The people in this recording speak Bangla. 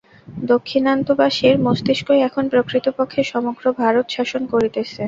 দাক্ষিণাত্যবাসীর মস্তিষ্কই এখন প্রকৃতপক্ষে সমগ্র ভারত শাসন করিতেছে।